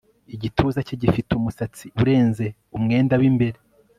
igituza cye gifite umusatsi urenze umwenda w'imbere